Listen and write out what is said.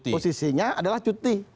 posisinya adalah cuti